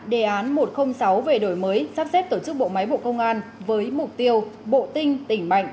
đề án một trăm linh sáu về đổi mới sắp xếp tổ chức bộ máy bộ công an với mục tiêu bộ tinh tỉnh mạnh